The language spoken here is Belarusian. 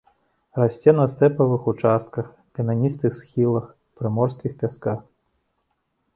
Расце на стэпавых участках, камяністых схілах, прыморскіх пясках.